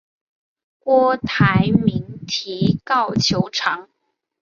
郭台铭提告求偿。